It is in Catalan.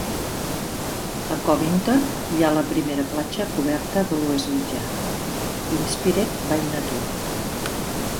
A Covington hi ha la primera platja coberta de l'Oest Mitjà: Inspired by Nature.